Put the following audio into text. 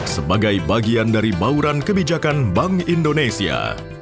sebagai bagian dari bauran kebijakan bank indonesia